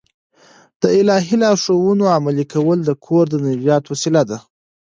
د الهي لارښوونو عملي کول د کور د نجات وسیله ده.